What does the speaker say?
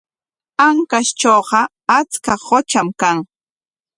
Ancashtrawqa achka qutram kan.